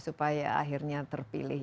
supaya akhirnya terpilih